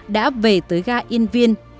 đã về tới ga yên viên